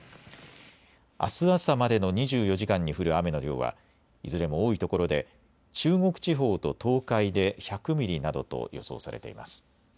あす朝までの２４時間に降る雨の量はいずれも多いところで中国地方と東海で１００ミリなどと予想されています。